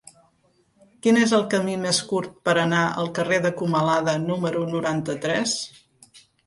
Quin és el camí més curt per anar al carrer de Comalada número noranta-tres?